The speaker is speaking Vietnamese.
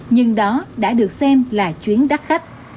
nhưng đó đã được xem là chuyến đắt khách